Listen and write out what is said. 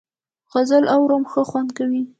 غزل اورم ښه خوند کوي .